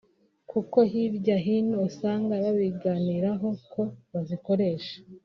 kuko hirya hino usanga babiganiraho ko bazikoresha